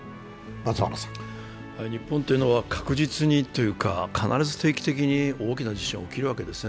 日本というのは確実にというか、必ず定期的に大きな地震が起きるわけですね。